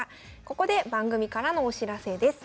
ここで番組からのお知らせです。